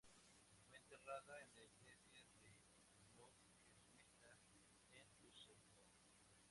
Fue enterrada en la iglesia de los jesuitas en Düsseldorf.